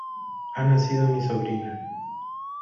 Ha nacido mi sobrina.